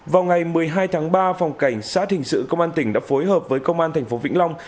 vào ngày một mươi hai tháng ba phòng cảnh sát hình sự công an tỉnh đã phối hợp với công an thành phố vĩnh long